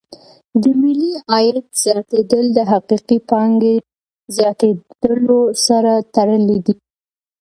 د ملي عاید زیاتېدل د حقیقي پانګې زیاتیدلو سره تړلې دي.